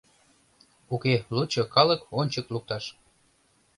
Уке, лучо калык ончык лукташ.